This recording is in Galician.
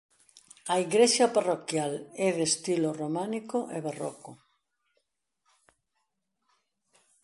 A igrexa parroquial é de estilo románico e barroco.